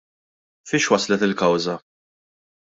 Fiex waslet il-kawża?